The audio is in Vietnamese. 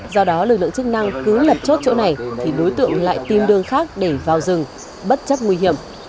do đó lực lượng chức năng cứ lập chốt chỗ này thì đối tượng lại tìm đường khác để vào rừng bất chấp nguy hiểm